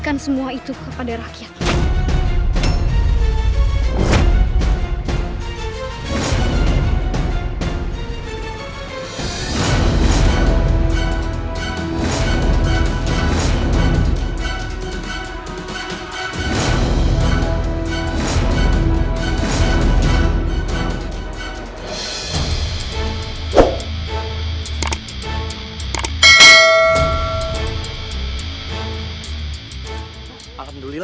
aku semakin bingung